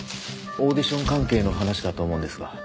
オーディション関係の話だと思うんですが。